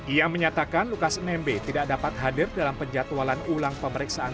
ia menyatakan lukas nmb tidak dapat hadir dalam penjatualan ulang pemeriksaan